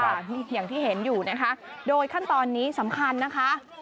อย่างที่เห็นอยู่นะคะโดยขั้นตอนนี้สำคัญนะคะ